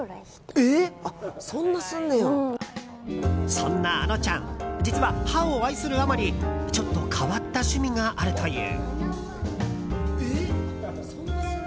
そんなあのちゃん実は、歯を愛するあまりちょっと変わった趣味があるという。